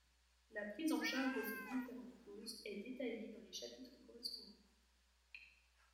La prise en charge de ces différentes causes est détaillée dans les chapitres correspondants.